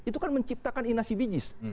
itu kan menciptakan inasi bijis